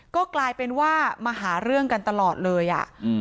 ก็กลายเป็นว่ามาหาเรื่องกันตลอดเลยอ่ะอืม